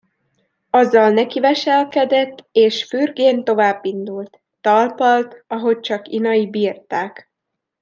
Azzal nekiveselkedett, és fürgén továbbindult; talpalt, ahogy csak inai bírták.